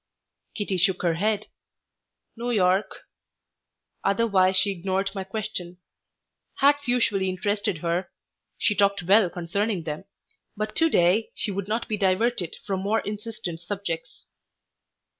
Kitty shook her head. "New York." Otherwise she ignored my question. Hats usually interested her. She talked well concerning them, but to day she would not be diverted from more insistent subjects.